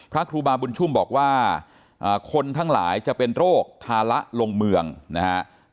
พระครูบาบุญชุ่มบอกว่าคนทั้งหลายจะเป็นโรคทาระลงเมืองนะฮะ